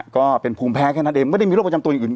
ก็เป็นภูมิแพ้แค่นั้นเองไม่ได้มีโรคประจำตัวอย่างอื่น